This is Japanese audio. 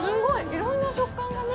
いろんな食感がね。